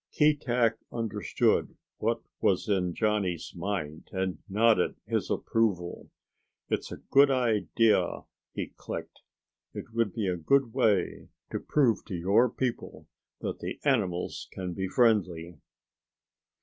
Keetack understood what was in Johnny's mind and nodded his approval. "It is a good idea," he clicked. "It would be a good way to prove to your people that the animals can be friendly."